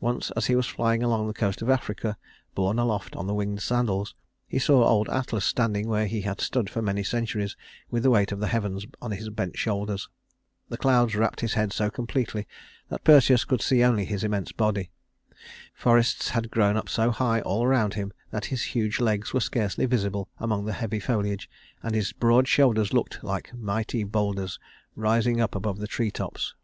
Once as he was flying along the coast of Africa, borne aloft on the winged sandals, he saw old Atlas standing where he had stood for many centuries with the weight of the heavens on his bent shoulders. The clouds wrapped his head so completely that Perseus could see only his immense body. Forests had grown up so high all around him that his huge legs were scarcely visible among the heavy foliage, and his broad shoulders looked like mighty bowlders rising up above the tree tops.